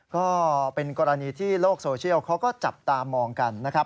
ก็เป็นกรณีที่โลกโซเชียลเขาก็จับตามองกันนะครับ